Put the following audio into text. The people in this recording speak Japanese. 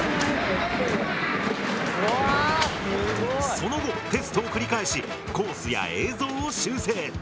その後テストを繰り返しコースや映像を修正。